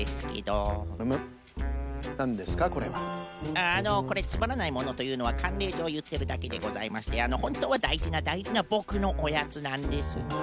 ああのこれつまらないものというのはかんれいじょういってるだけでございましてほんとうはだいじなだいじなボクのおやつなんです。